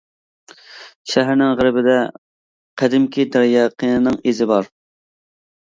شەھەرنىڭ غەربىدە قەدىمكى دەريا قىنىنىڭ ئىزى بار.